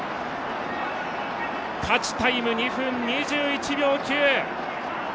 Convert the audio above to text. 勝ちタイム２分２１秒９。